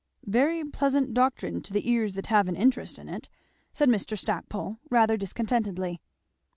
"Very pleasant doctrine to the ears that have an interest in it!" said Mr. Stackpole rather discontentedly.